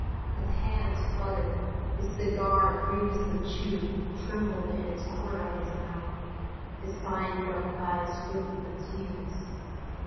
His hands fluttered. His cigar, grievously chewed, trembled in its corner of his mouth. His fine dark eyes filled with tears.